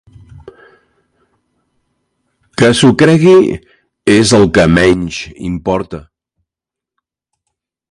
Que s'ho cregui és el que menys importa.